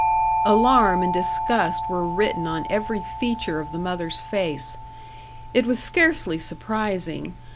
Alarm and disgust were written on every feature of the mother's face. It was scarcely surprising.